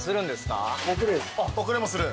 送れもする。